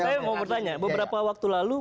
saya mau bertanya beberapa waktu lalu